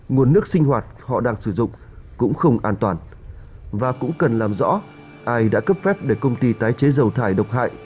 nguồn nước sinh hoạt họ đang sử dụng cũng không an toàn và cũng cần làm rõ ai đã cấp phép để công ty tái chế dầu thải độc hại